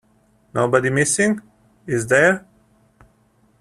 Nobody missing, is there?